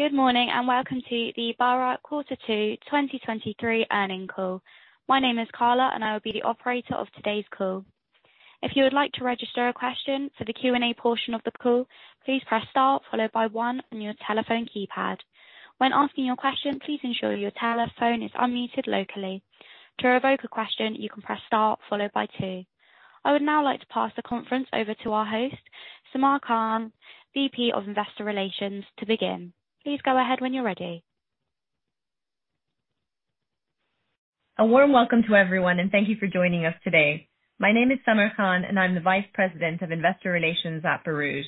Good morning, welcome to the Borouge Quarter Two 2023 Earning Call. My name is Carla, and I will be the operator of today's call. If you would like to register a question for the Q&A portion of the call, please press Star followed by 1 on your telephone keypad. When asking your question, please ensure your telephone is unmuted locally. To revoke a question, you can press Star followed by 2. I would now like to pass the conference over to our host, Samar Khan, VP of Investor Relations, to begin. Please go ahead when you're ready. A warm welcome to everyone, thank you for joining us today. My name is Samar Khan, I'm the Vice President of Investor Relations at Borouge.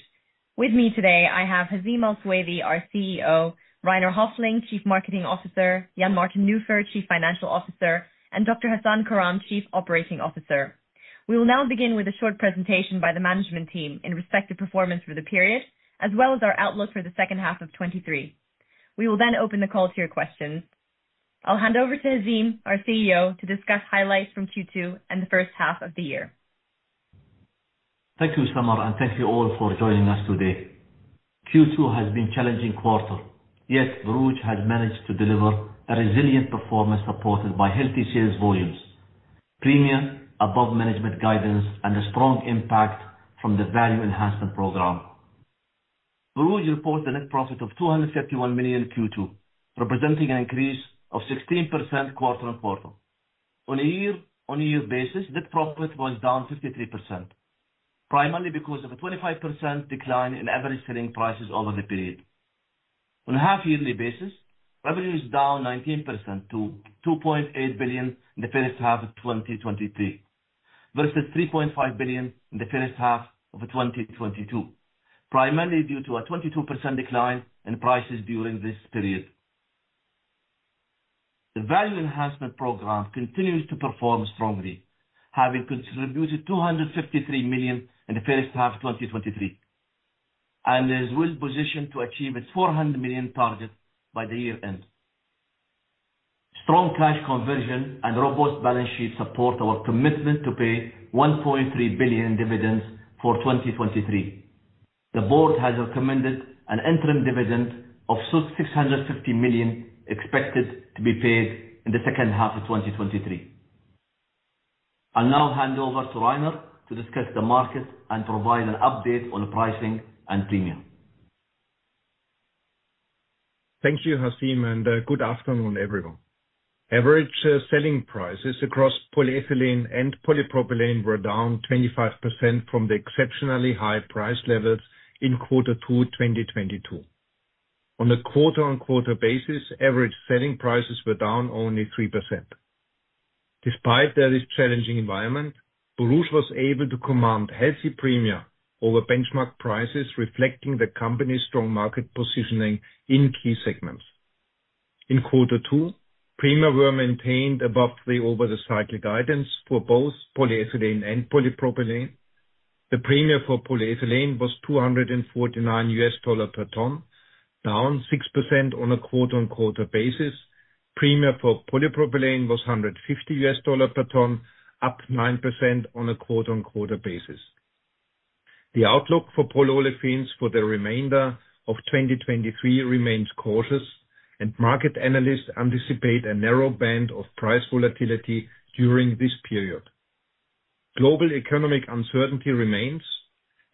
With me today, I have Hazeem Al Suwaidi, our CEO, Rainer Hoefling, Chief Marketing Officer, Jan-Martin Nufer, Chief Financial Officer, and Dr. Hasan Karam, Chief Operating Officer. We will now begin with a short presentation by the management team in respective performance for the period, as well as our outlook for the second half of 2023. We will open the call to your questions. I'll hand over to Hazeem, our CEO, to discuss highlights from Q2 and the first half of the year. Thank you, Samar. Thank you all for joining us today. Q2 has been challenging quarter, yet Borouge has managed to deliver a resilient performance, supported by healthy sales volumes, premium above management guidance, and a strong impact from the Value Enhancement Program. Borouge reports a net profit of $251 million Q2, representing an increase of 16% quarter-on-quarter. On a year-on-year basis, net profit was down 53%, primarily because of a 25% decline in average selling prices over the period. On a half-yearly basis, revenue is down 19% to $2.8 billion in the first half of 2023, versus $3.5 billion in the first half of 2022, primarily due to a 22% decline in prices during this period. The Value Enhancement Program continues to perform strongly, having contributed $253 million in the first half of 2023, and is well positioned to achieve its $400 million target by the year end. Strong cash conversion and robust balance sheet support our commitment to pay $1.3 billion in dividends for 2023. The board has recommended an interim dividend of $650 million, expected to be paid in the second half of 2023. I'll now hand over to Rainer to discuss the market and provide an update on the pricing and premium. Thank you, Hazeem. Good afternoon, everyone. Average selling prices across polyethylene and polypropylene were down 25% from the exceptionally high price levels in quarter two, 2022. On a quarter-on-quarter basis, average selling prices were down only 3%. Despite this challenging environment, Borouge was able to command healthy premia over benchmark prices, reflecting the company's strong market positioning in key segments. In quarter two, premia were maintained above the over the cycle guidance for both polyethylene and polypropylene. The premia for polyethylene was $249 per ton, down 6% on a quarter-on-quarter basis. Premia for polypropylene was $150 per ton, up 9% on a quarter-on-quarter basis. The outlook for polyolefins for the remainder of 2023 remains cautious, and market analysts anticipate a narrow band of price volatility during this period. Global economic uncertainty remains,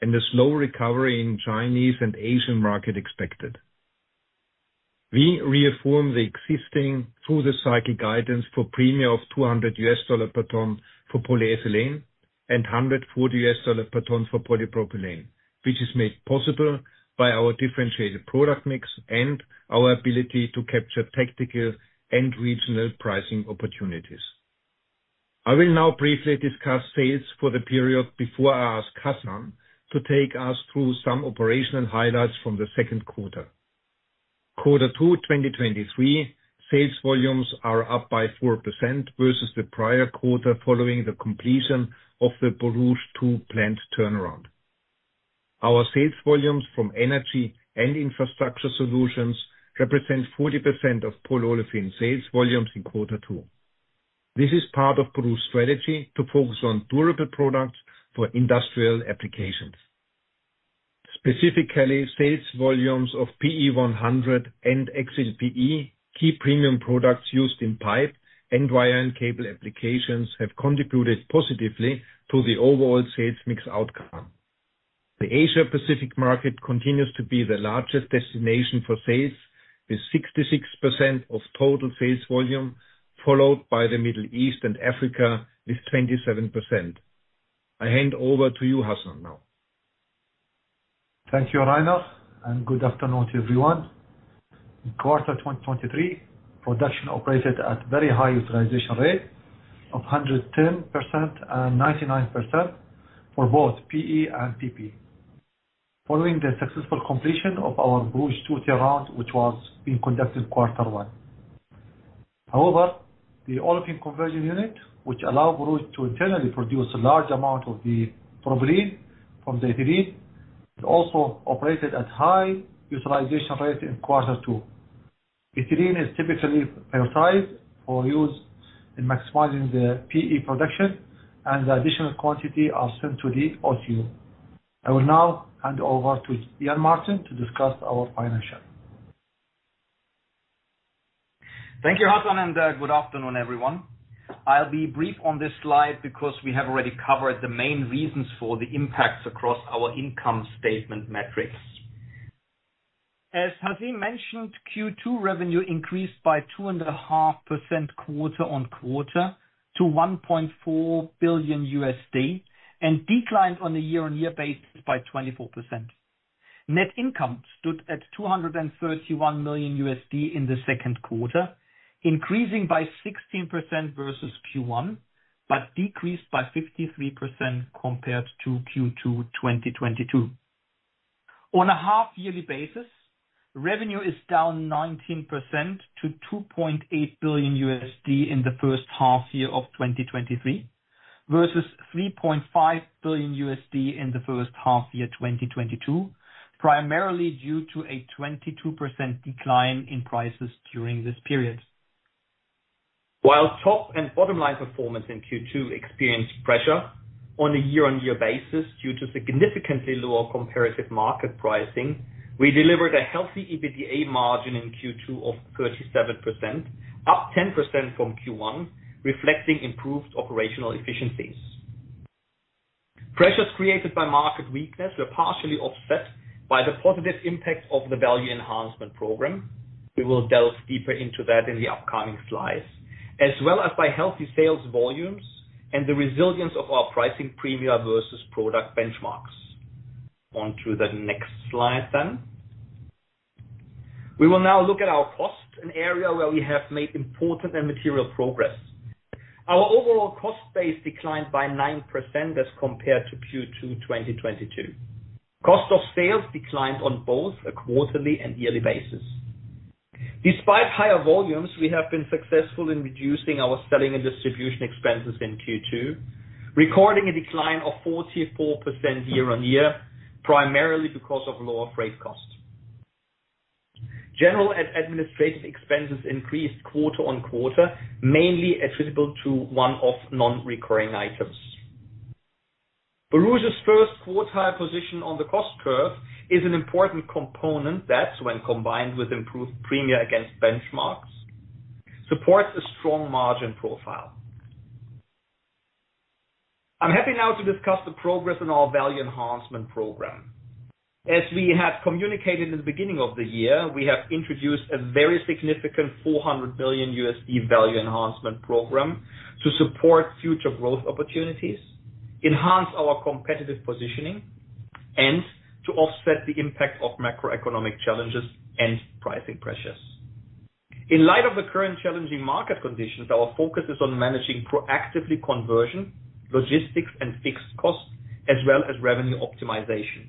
a slow recovery in Chinese and Asian market expected. We reaffirm the existing through the cycle guidance for premia of $200 per ton for polyethylene and $140 per ton for polypropylene, which is made possible by our differentiated product mix and our ability to capture tactical and regional pricing opportunities. I will now briefly discuss sales for the period before I ask Hassan to take us through some operational highlights from the Q2. Q2 2023 sales volumes are up by 4% versus the prior quarter, following the completion of the Borouge 2 plant turnaround. Our sales volumes from energy and infrastructure solutions represent 40% of polyolefin sales volumes in Q2. This is part of Borouge's strategy to focus on durable products for industrial applications. Specifically, sales volumes of PE100 and XLPE, key premium products used in pipe and wire and cable applications, have contributed positively to the overall sales mix outcome. The Asia Pacific market continues to be the largest destination for sales, with 66% of total sales volume, followed by the Middle East and Africa, with 27%. I hand over to you, Hasan, now. Thank you, Rainer, and good afternoon to everyone. In quarter 2023, production operated at very high utilization rate of 110% and 99% for both PE and PP. Following the successful completion of our Borouge 2 turnaround, which was being conducted in quarter 1. However, the Olefin Conversion Unit, which allow Borouge to internally produce a large amount of the propylene from the ethylene, it also operated at high utilization rate in quarter 2. Ethylene is typically prioritized for use in maximizing the PE production. The additional quantity are sent to the OCU. I will now hand over to Jan-Martin to discuss our financials. Thank you, Hasan, and good afternoon, everyone. I'll be brief on this slide because we have already covered the main reasons for the impacts across our income statement metrics. As Hasan mentioned, Q2 revenue increased by 2.5% quarter-on-quarter to $1.4 billion, and declined on a year-on-year basis by 24%. Net income stood at $231 million in the second quarter, increasing by 16% versus Q1, but decreased by 53% compared to Q2 2022. On a half-yearly basis, revenue is down 19% to $2.8 billion in the first half year of 2023, versus $3.5 billion in the first half year 2022, primarily due to a 22% decline in prices during this period. While top and bottom line performance in Q2 experienced pressure on a year-on-year basis due to significantly lower comparative market pricing, we delivered a healthy EBITDA margin in Q2 of 37%, up 10% from Q1, reflecting improved operational efficiencies. Pressures created by market weakness were partially offset by the positive impact of the Value Enhancement Program. We will delve deeper into that in the upcoming slides, as well as by healthy sales volumes and the resilience of our pricing premia versus product benchmarks. On to the next slide, then. We will now look at our costs, an area where we have made important and material progress. Our overall cost base declined by 9% as compared to Q2, 2022. Cost of sales declined on both a quarterly and yearly basis. Despite higher volumes, we have been successful in reducing our selling and distribution expenses in Q2, recording a decline of 44% year-on-year, primarily because of lower freight costs. General and administrative expenses increased quarter-on-quarter, mainly attributable to one-off non-recurring items. Borouge's first quartile position on the cost curve is an important component that, when combined with improved premia against benchmarks, supports a strong margin profile. I'm happy now to discuss the progress on our Value Enhancement Program. As we have communicated in the beginning of the year, we have introduced a very significant $400 billion Value Enhancement Program to support future growth opportunities, enhance our competitive positioning, and to offset the impact of macroeconomic challenges and pricing pressures. In light of the current challenging market conditions, our focus is on managing proactively conversion, logistics, and fixed costs, as well as revenue optimization.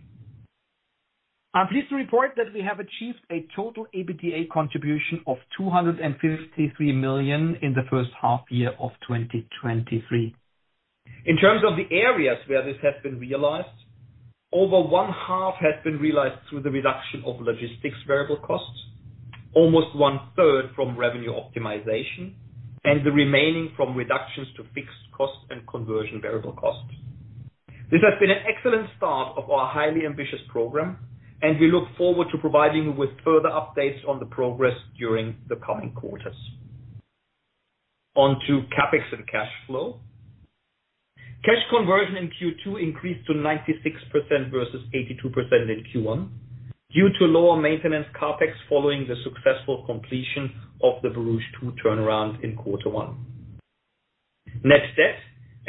I'm pleased to report that we have achieved a total EBITDA contribution of $253 million in the first half year of 2023. In terms of the areas where this has been realized, over one half has been realized through the reduction of logistics variable costs, almost one-third from revenue optimization, and the remaining from reductions to fixed costs and conversion variable costs. This has been an excellent start of our highly ambitious program, and we look forward to providing you with further updates on the progress during the coming quarters. On to CapEx and cash flow. Cash conversion in Q2 increased to 96% versus 82% in Q1, due to lower maintenance CapEx following the successful completion of the Borouge 2 turnaround in quarter one. Net debt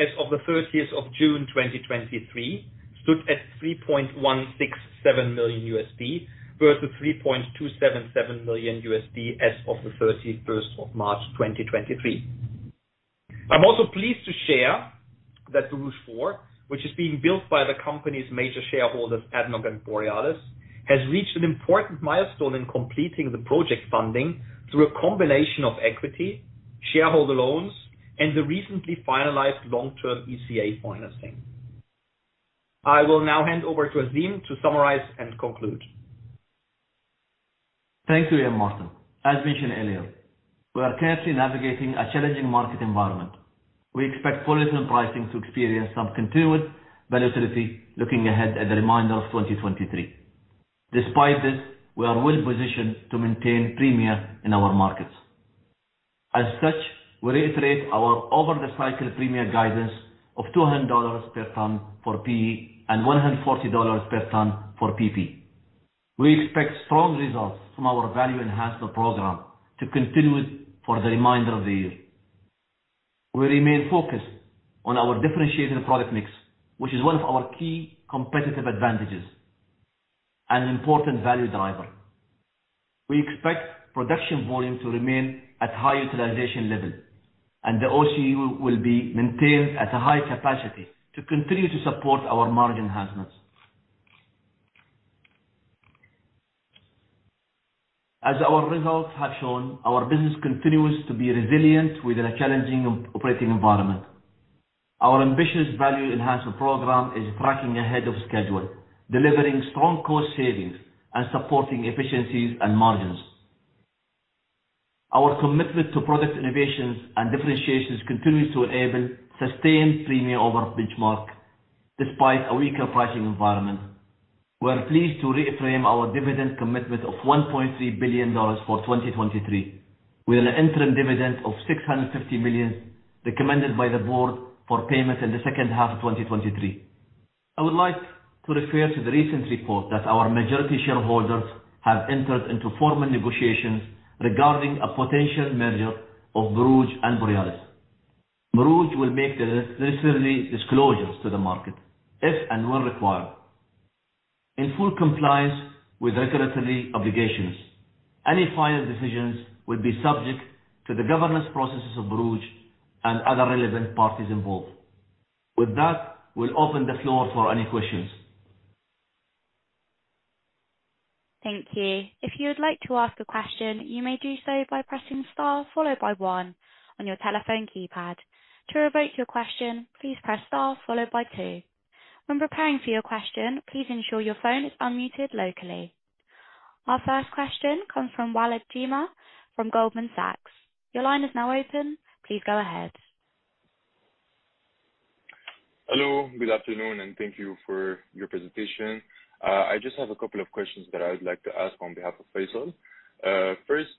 as of the 30th of June, 2023, stood at $3.167 million, versus $3.277 million as of the 31st of March, 2023. I'm also pleased to share that Borouge 4, which is being built by the company's major shareholders, ADNOC and Borealis, has reached an important milestone in completing the project funding through a combination of equity, shareholder loans, and the recently finalized long-term ECA financing. I will now hand over to Hazeem to summarize and conclude. Thank you, Jan-Martin. As mentioned earlier, we are carefully navigating a challenging market environment. We expect polyester pricing to experience some continued volatility looking ahead at the remainder of 2023. Despite this, we are well positioned to maintain premia in our markets. As such, we reiterate our over the cycle premia guidance of $200 per ton for PE and $140 per ton for PP. We expect strong results from our Value Enhancement Program to continue for the remainder of the year. We remain focused on our differentiating product mix, which is one of our key competitive advantages and an important value driver. We expect production volume to remain at high utilization level, and the OCU will be maintained at a high capacity to continue to support our margin enhancements. As our results have shown, our business continues to be resilient within a challenging operating environment. Our ambitious Value Enhancement Program is tracking ahead of schedule, delivering strong cost savings and supporting efficiencies and margins. Our commitment to product innovations and differentiations continues to enable sustained premium over benchmark, despite a weaker pricing environment. We are pleased to reaffirm our dividend commitment of $1.3 billion for 2023, with an interim dividend of $650 million, recommended by the board for payment in the second half of 2023. I would like to refer to the recent report that our majority shareholders have entered into formal negotiations regarding a potential merger of Borouge and Borealis. Borouge will make the necessary disclosures to the market, if and when required. In full compliance with regulatory obligations, any final decisions will be subject to the governance processes of Borouge and other relevant parties involved. With that, we'll open the floor for any questions. Thank you. If you would like to ask a question, you may do so by pressing star followed by one on your telephone keypad. To revoke your question, please press star followed by two. When preparing for your question, please ensure your phone is unmuted locally. Our first question comes from Waleed Jima from Goldman Sachs. Your line is now open. Please go ahead. Hello, good afternoon, and thank you for your presentation. I just have a couple of questions that I would like to ask on behalf of Faisal. First,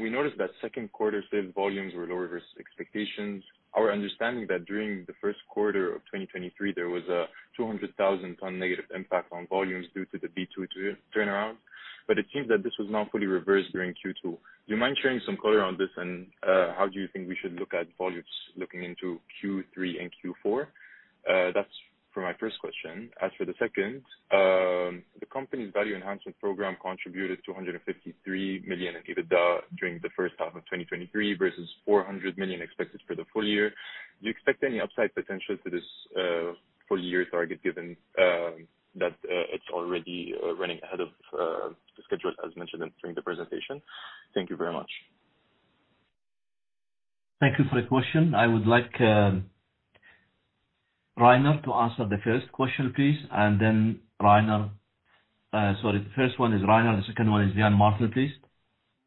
we noticed that second quarter sales volumes were lower versus expectations. Our understanding that during the Q1 of 2023, there was a 200,000 ton negative impact on volumes due to the B2 turnaround, but it seems that this was not fully reversed during Q2. How do you think we should look at volumes looking into Q3 and Q4? That's for my first question. As for the second, the company's Value Enhancement Program contributed $253 million in EBITDA during the first half of 2023 versus $400 million expected for the full year. Do you expect any upside potential to this full year target, given that it's already running ahead of the schedule, as mentioned during the presentation? Thank you very much. Thank you for the question. I would like, Rainer to answer the first question, please, and then Rainer, sorry. The first one is Rainer, the second one is Jan-Martin, please.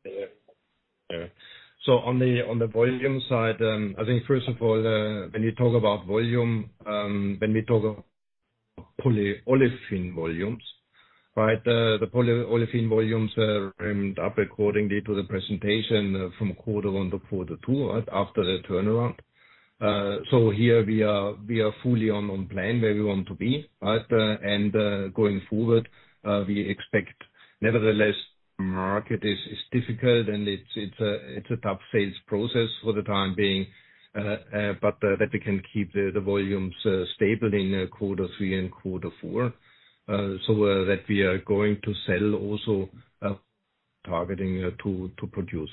Yeah. On the, on the volume side, I think first of all, when you talk about volume, when we talk about polyolefin volumes, right? The polyolefin volumes ramped up accordingly to the presentation from quarter one to quarter two, right, after the turnaround. Here we are, we are fully on, on plan where we want to be, right? Going forward, we expect nevertheless, market is, is difficult and it's, it's a, it's a tough sales process for the time being. That we can keep the volumes stable in quarter three and quarter four. That we are going to sell also, targeting to produce.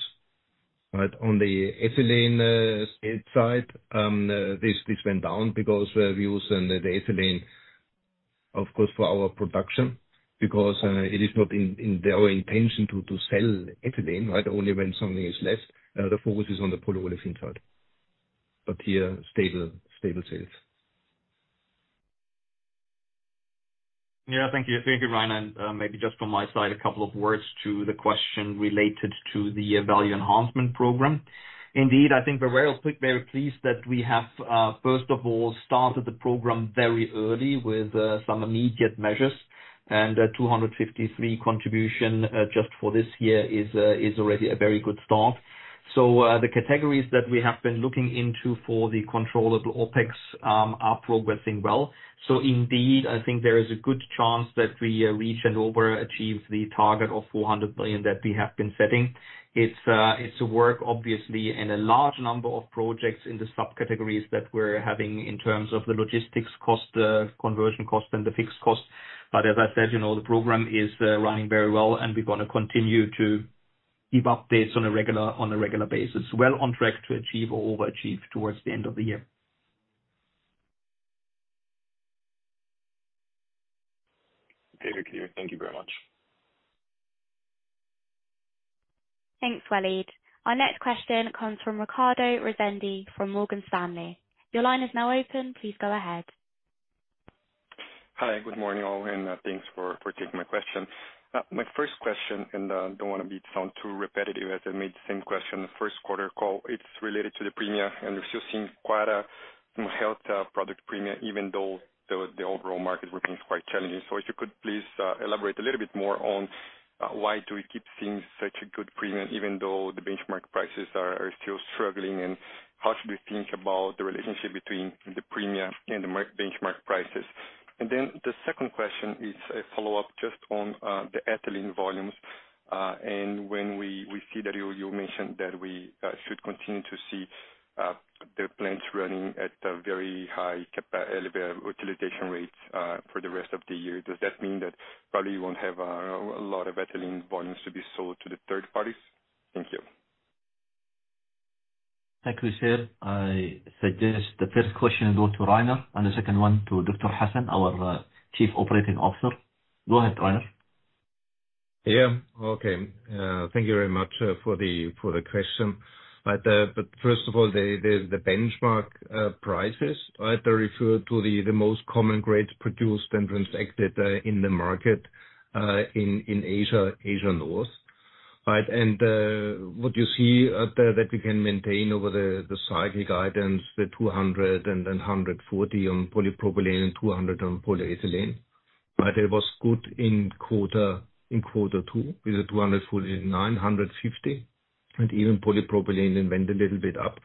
Right, on the ethylene side, this went down because we use the ethylene, of course, for our production, because it is not in our intention to sell ethylene, right? Only when something is left. The focus is on the polyolefin side. Here, stable sales. Yeah, thank you. Thank you, Rainer. Maybe just from my side, a couple of words to the question related to the Value Enhancement Program. Indeed, I think we're very, very pleased that we have, first of all, started the program very early with some immediate measures. $253 contribution just for this year is already a very good start. The categories that we have been looking into for the controllable OpEx are progressing well. Indeed, I think there is a good chance that we reach and overachieve the target of $400 million that we have been setting. It's, it's a work, obviously, and a large number of projects in the subcategories that we're having in terms of the logistics cost, conversion cost, and the fixed cost. As I said, you know, the program is running very well, and we're gonna continue to give updates on a regular, on a regular basis. Well on track to achieve or overachieve towards the end of the year. Very clear. Thank you very much. Thanks, Waleed. Our next question comes from Ricardo Rezende, from Morgan Stanley. Your line is now open. Please go ahead. Hi, good morning, all. Thanks for, for taking my question. My first question, I don't want to be sound too repetitive, as I made the same question in the Q1 call. It's related to the premium. We've still seen quite a healthy product premium, even though the overall market remains quite challenging. If you could please elaborate a little bit more on why do we keep seeing such a good premium, even though the benchmark prices are still struggling? How should we think about the relationship between the premium and the benchmark prices? The second question is a follow-up just on the ethylene volumes. When we, we see that you, you mentioned that we should continue to see the plants running at a very high capacity utilization rates for the rest of the year. Does that mean that probably you won't have a lot of ethylene volumes to be sold to the third parties? Thank you. Thank you, sir. I suggest the first question go to Rainer and the second one to Dr. Hasan, our chief operating officer. Go ahead, Rainer.... Yeah. Okay. Thank you very much for the, for the question. First of all, the, the, the benchmark prices, right? I refer to the, the most common grades produced and transacted in the market in Asia, Asia North, right? What you see that we can maintain over the cycle guidance, the $200 and then $140 on polypropylene, $200 on polyethylene. It was good in quarter, in quarter 2, with a $249, $150, and even polypropylene went a little bit up.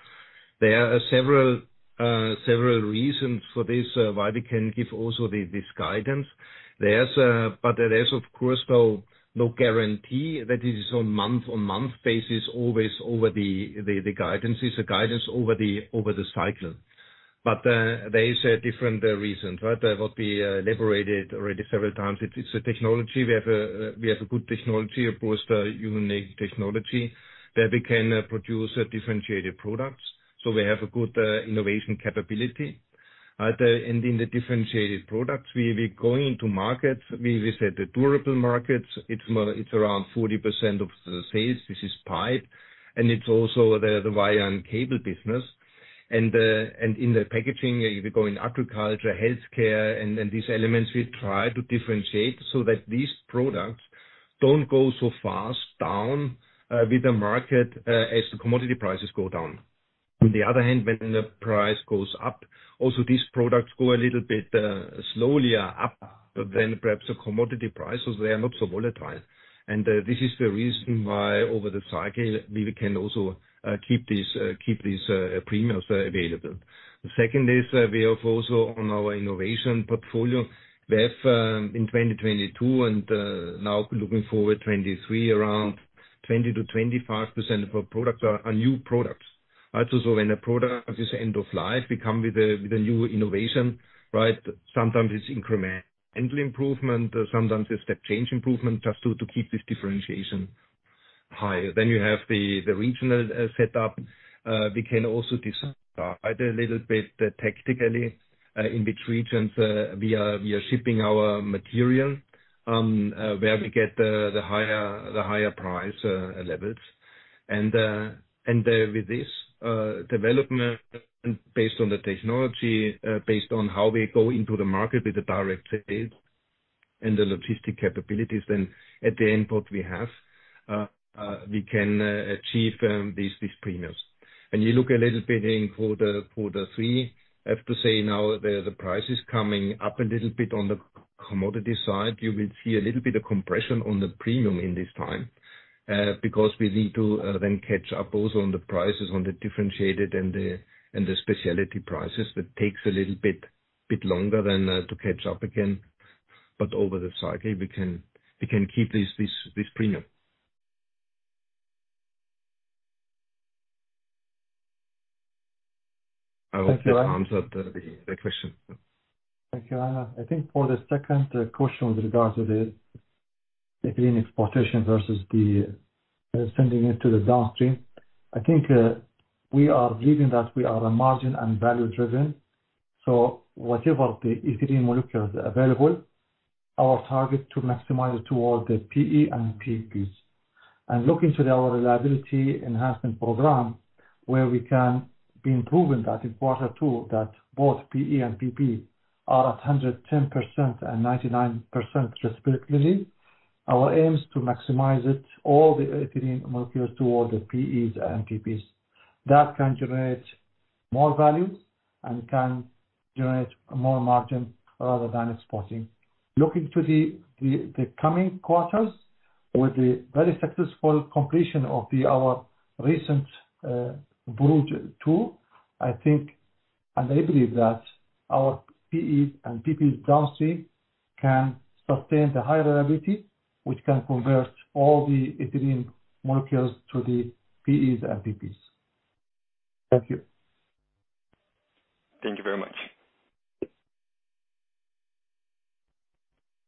There are several, several reasons for this why we can give also the, this guidance. There's, there is, of course, no, no guarantee that this is on month-on-month basis, always over the, the, the guidance. It's a guidance over the, over the cycle. There is a different reason, right? That would be elaborated already several times. It's a technology. We have a, we have a good technology, a post unique technology, that we can produce differentiated products. We have a good innovation capability. The, in the differentiated products, we going into markets, we, we said the durable markets, it's more-- It's around 40% of the sales. This is pipe, and it's also the, the wire and cable business. In the packaging, we go in agriculture, healthcare, and, and these elements, we try to differentiate, so that these products don't go so fast down with the market as the commodity prices go down. On the other hand, when the price goes up, also these products go a little bit slowly up than perhaps the commodity prices. They are not so volatile. This is the reason why, over the cycle, we can also keep these, keep these premiums available. The second is, we have also on our innovation portfolio, we have in 2022, and now looking forward, 2023, around 20%-25% of our products are new products. When a product is end of life, we come with a new innovation, right? Sometimes it's incremental improvement, sometimes it's step change improvement, just to keep this differentiation high. You have the regional setup. We can also decide a little bit tactically in which regions we are shipping our material where we get the higher, the higher price levels. With this development based on the technology, based on how we go into the market with the direct sales and the logistic capabilities, then at the input we have, we can achieve these, these premiums. You look a little bit in quarter, quarter three, I have to say now, the price is coming up a little bit on the commodity side. You will see a little bit of compression on the premium in this time, because we need to then catch up also on the prices, on the differentiated and the specialty prices. That takes a little bit, bit longer than to catch up again. Over the cycle, we can, we can keep this, this, this premium. I hope that answered the question. Thank you. I think for the second question with regards to the ethylene exportation versus the sending it to the downstream, I think we are believing that we are a margin and value driven. Whatever the ethylene molecules are available, our target to maximize towards the PE and PPs. Looking to our reliability enhancement program, where we can be improving that in quarter two, that both PE and PP are at 110% and 99% respectively, our aim is to maximize it, all the ethylene molecules toward the PEs and PPs. That can generate more value and can generate more margin, rather than exporting. Looking to the coming quarters, with the very successful completion of our recent Borouge 2, I think, and I believe that our PEs and PPs downstream can sustain the high reliability, which can convert all the ethylene molecules to the PEs and PPs. Thank you. Thank you very much.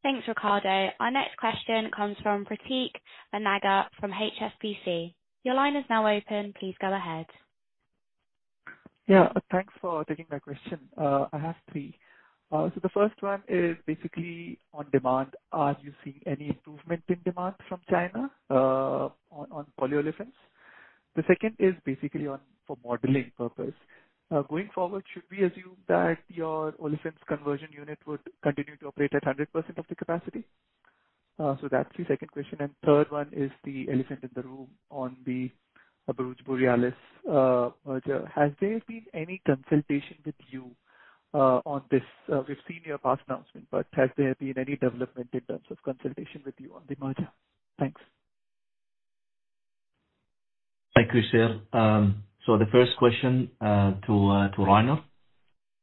Thanks, Ricardo. Our next question comes from Prateek Bhatnagar from HSBC. Your line is now open. Please go ahead. Yeah, thanks for taking my question. I have three. The first one is basically on demand. Are you seeing any improvement in demand from China on polyolefins? The second is basically on, for modeling purpose. Going forward, should we assume that your Olefin Conversion Unit would continue to operate at 100% of the capacity? That's the second question. Third one is the elephant in the room on the ADNOC, Borealis merger. Has there been any consultation with you on this? We've seen your past announcement, has there been any development in terms of consultation with you on the merger? Thanks. Thank you, sir. The first question, to Rainer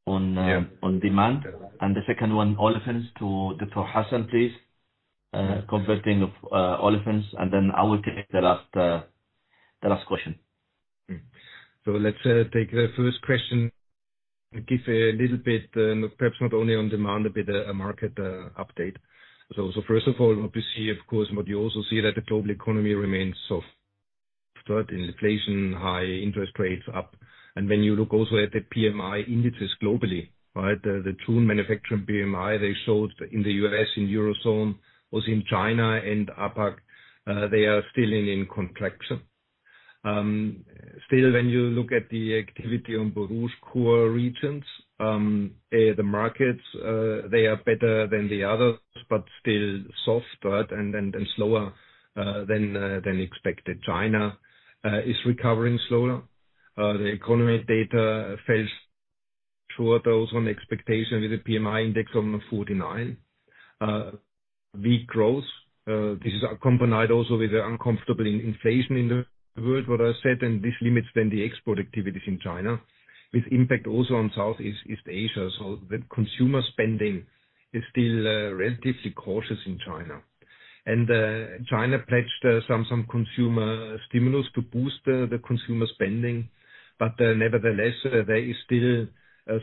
on. Yeah. On demand, and the second one, olefins, to, to Hasan, please. Converting of olefins, then I will take the last, the last question. Let's take the first question. Give a little bit, perhaps not only on demand, a bit, a market update. First of all, obviously, of course, what you also see that the global economy remains soft. Third, inflation, high interest rates up. When you look also at the PMI indices globally, right? The two manufacturing PMI they showed in the US, in Eurozone, also in China and APAC, they are still in contraction. Still, when you look at the activity on Borouge core regions, the markets, they are better than the others, but still soft, third, and slower than expected. China is recovering slower. The economy data falls short also on expectation with the PMI index on the 49, weak growth. This is accompanied also with the uncomfortable inflation in the world, what I said, and this limits then the export activities in China, with impact also on Southeast Asia. The consumer spending is still relatively cautious in China. China pledged some, some consumer stimulus to boost the consumer spending. Nevertheless, there is still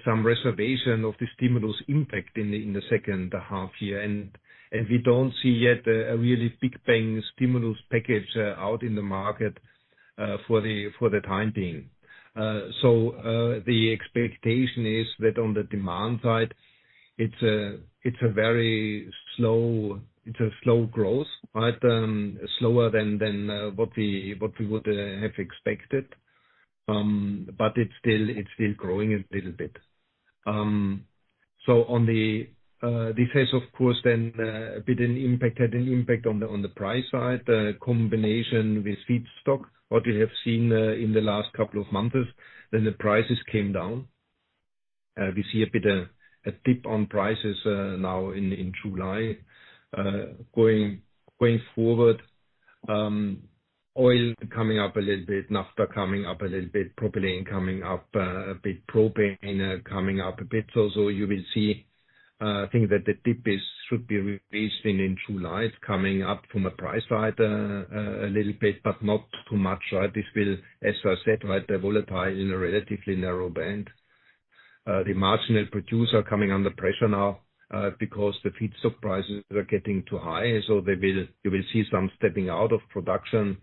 some reservation of the stimulus impact in the, in the second half year. We don't see yet a really big bang stimulus package out in the market for the time being. The expectation is that on the demand side, it's a, it's a very slow, it's a slow growth, right? Slower than, than, what we, what we would have expected. But it's still, it's still growing a little bit. On the, this has, of course, then a bit an impact, had an impact on the, on the price side, a combination with feedstock. What we have seen in the last couple of months is then the prices came down. We see a bit, a dip on prices now in July. Going, going forward, oil coming up a little bit, naphtha coming up a little bit, propylene coming up a bit, propane coming up a bit. You will see, I think that the dip is should be released in July, coming up from a price side a little bit, but not too much, right? This will, as I said, right, they're volatile in a relatively narrow band. The marginal producer coming under pressure now because the feedstock prices are getting too high, you will see some stepping out of production,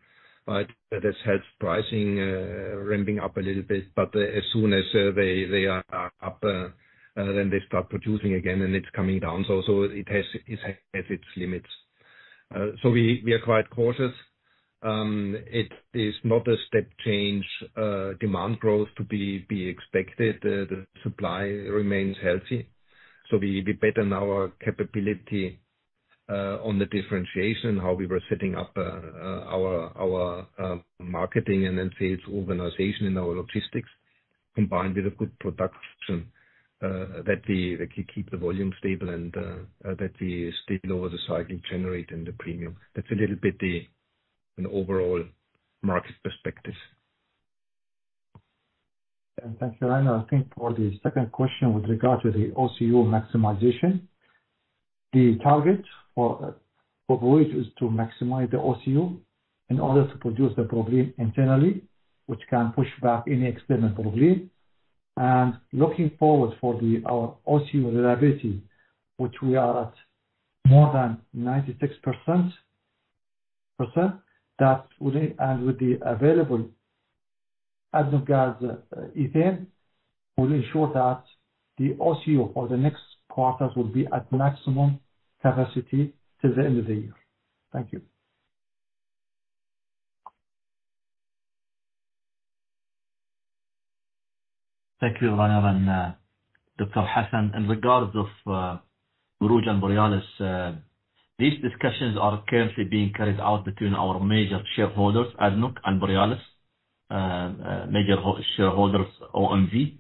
right? This helps pricing, ramping up a little bit, but as soon as they, they are, are up, then they start producing again, and it's coming down. It has, it has its limits. We, we are quite cautious. It is not a step change, demand growth to be, be expected. The supply remains healthy, so we, we bet on our capability, on the differentiation, how we were setting up, our, our, marketing and then sales organization and our logistics, combined with a good production, that we, that can keep the volume stable and, that we still over the cycle, generating the premium. That's a little bit the, an overall market perspective. Thanks, Rainer. I think for the second question with regard to the OCU maximization, the target for Borouge is to maximize the OCU in order to produce the propylene internally, which can push back any external propylene. Looking forward for the, our OCU reliability, which we are at more than 96%, that would, and with the available ADNOC Gas ethane, will ensure that the OCU for the next quarters will be at maximum capacity till the end of the year. Thank you. Thank you, Rainer and Dr. Hasan. In regards of Borouge and Borealis, these discussions are currently being carried out between our major shareholders, ADNOC and Borealis, major shareholders, OMV.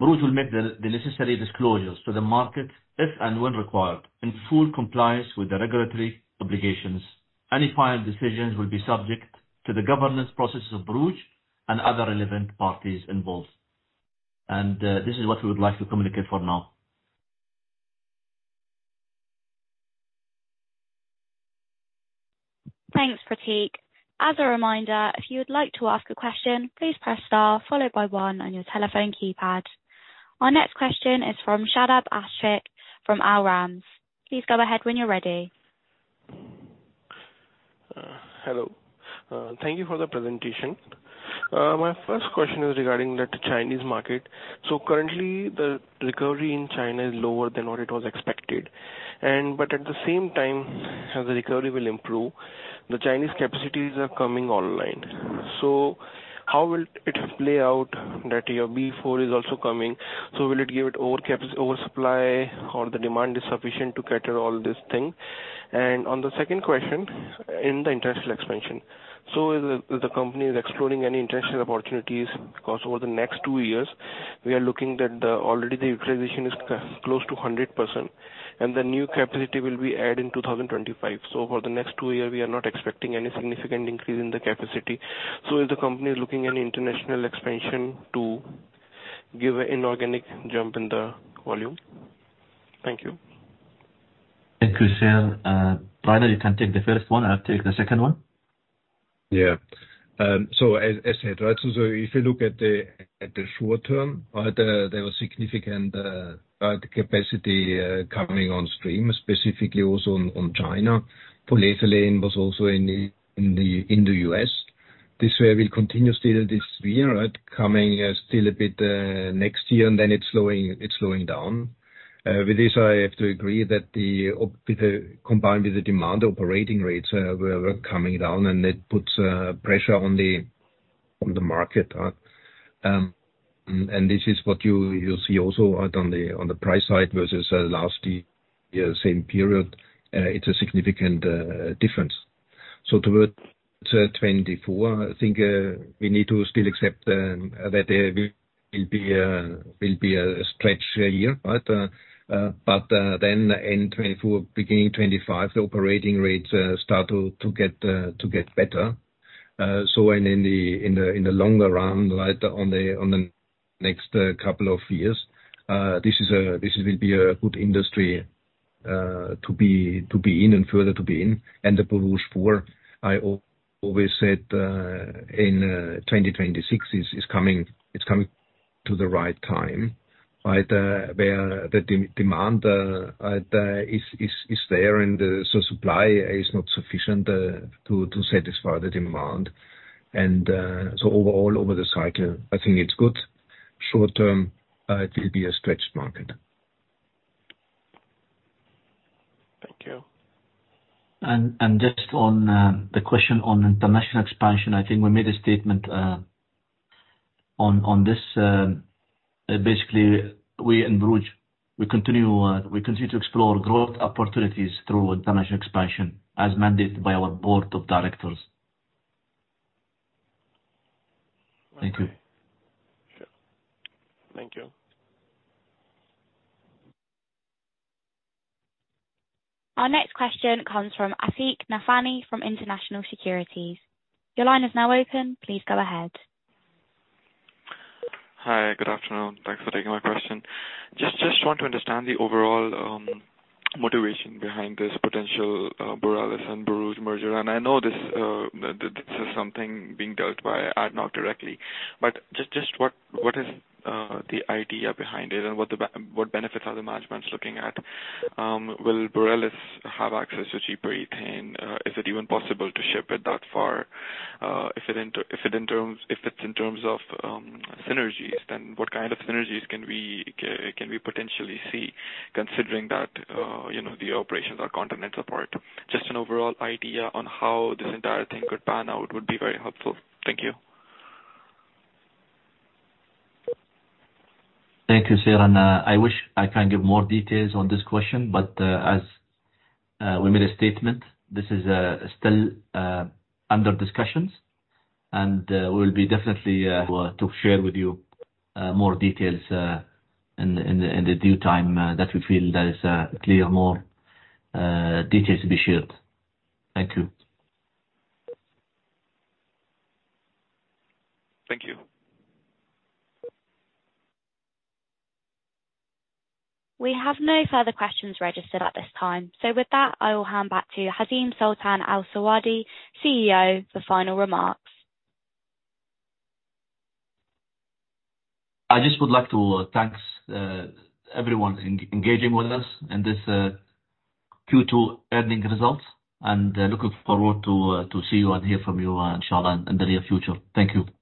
Borouge will make the necessary disclosures to the market if and when required, in full compliance with the regulatory obligations. Any final decisions will be subject to the governance processes of Borouge and other relevant parties involved. This is what we would like to communicate for now. Thanks, Prateek. As a reminder, if you would like to ask a question, please press star followed by one on your telephone keypad. Our next question is from Shadab Ashfaq from Al Ramz. Please go ahead when you're ready. Hello. Thank you for the presentation. My first question is regarding the Chinese market. Currently, the recovery in China is lower than what it was expected. At the same time, as the recovery will improve, the Chinese capacities are coming online. How will it play out that your B4 is also coming? Will it give it oversupply, or the demand is sufficient to cater all this thing? On the second question, in the international expansion. Is the company exploring any international opportunities? Because over the next two years, we are looking that already the utilization is close to 100%, and the new capacity will be added in 2025. For the next two year, we are not expecting any significant increase in the capacity. Is the company looking at international expansion to give an inorganic jump in the volume? Thank you. Thank you, Shadab. Rainer, you can take the first one, I'll take the second one. ... so as, as said, right, so if you look at the, at the short term, right, there was significant capacity coming on stream, specifically also on, on China. Polyethylene was also in the, in the, in the U.S. This way will continue still this year, right, coming still a bit next year, and then it's slowing, it's slowing down. With this, I have to agree that the op- with the, combined with the demand operating rates were coming down, and it puts pressure on the market. This is what you'll see also out on the, on the price side versus last year, same period. It's a significant difference. Towards 2024, I think, we need to still accept that there will, will be a, will be a, a stretch year, right? End 2024, beginning 2025, the operating rates start to, to get, to get better. In, in the, in the, in the longer run, right, on the, on the next couple of years, this is, this will be a good industry to be, to be in and further to be in. The Borouge 4, I always said, in 2026 is, is coming, it's coming to the right time, right, where the demand is, is, is there, and supply is not sufficient to, to satisfy the demand. Overall, over the cycle, I think it's good. Short term, it will be a stretched market. Thank you. And just on, the question on international expansion, I think we made a statement, on, on this. Basically, we in Borouge, we continue, we continue to explore growth opportunities through international expansion, as mandated by our board of directors. Thank you. Sure. Thank you. Our next question comes from Aafiq Nafani from International Securities. Your line is now open. Please go ahead. Hi. Good afternoon. Thanks for taking my question. Just want to understand the overall motivation behind this potential Borealis and Borouge merger. I know this, this is something being dealt by ADNOC directly, but what is the idea behind it, and what benefits are the managements looking at? Will Borealis have access to cheaper ethane? Is it even possible to ship it that far? If it's in terms of synergies, then what kind of synergies can we potentially see, considering that, you know, the operations are continents apart? Just an overall idea on how this entire thing could pan out would be very helpful. Thank you. Thank you, sir. I wish I can give more details on this question, but, as, we made a statement, this is, still, under discussions, and, we will be definitely, to share with you, more details, in the, in the, in the due time, that we feel there is, clear more, details to be shared. Thank you. Thank you. We have no further questions registered at this time. With that, I will hand back to Hazeem Sultan Al Suwaidi, CEO, for final remarks. I just would like to thanks, everyone engaging with us in this, Q2 earnings results. Looking forward to, to see you and hear from you, inshallah, in the near future. Thank you.